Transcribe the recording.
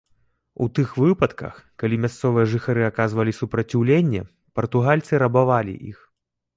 У тых выпадках, калі мясцовыя жыхары аказвалі супраціўленне, партугальцы рабавалі іх.